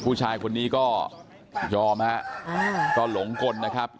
ผู้ชายคนนี้ก็ยอมฮะก็หลงกลนะครับ